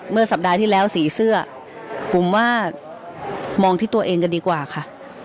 สัปดาห์ที่แล้วสีเสื้อผมว่ามองที่ตัวเองจะดีกว่าค่ะ